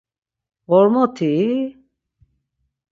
Ğormotii?